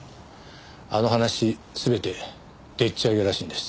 あの話全てでっち上げらしいんです。